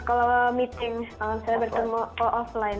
kalau meeting kalau offline